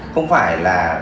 không phải là